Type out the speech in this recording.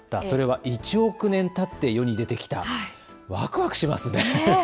それは１億年たって世に出てきた、わくわくしますね。